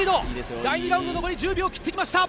第２ラウンド残り１０秒を切ってきました。